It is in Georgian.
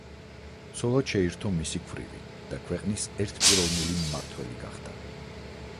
ცოლად შეირთო მისი ქვრივი და ქვეყნის ერთპიროვნული მმართველი გახდა.